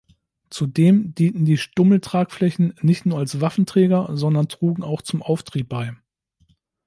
Zudem dienten die Stummel-Tragflächen nicht nur als Waffenträger, sondern trugen auch zum Auftrieb bei.